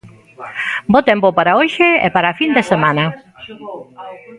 Bo tempo para hoxe e para a fin de semana.